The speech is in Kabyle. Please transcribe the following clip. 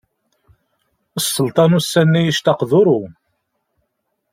Sselṭan ussan-nni yectaq duṛu.